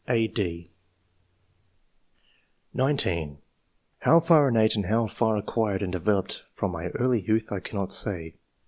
(a, d) (19) " How far innate, and how far acquired and developed from my early youth, I cannot say.